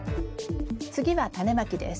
次はタネまきです。